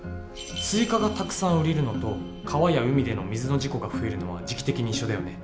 「スイカがたくさん売れる」のと「川や海での水の事故が増える」のは時期的に一緒だよね？